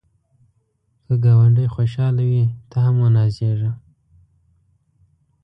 که ګاونډی خوشحال وي، ته هم ونازېږه